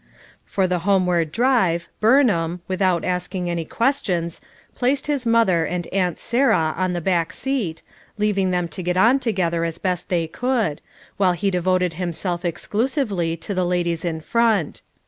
For the homeward drive, Burnham, without asking any questions, placed his mother and "Aunt Sarah" on the hack scat, leaving them to get on together as best they could, while ho devoted himself exclusively to the ladies in front.